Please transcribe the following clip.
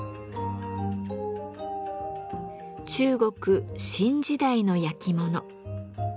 中国・清時代の焼き物。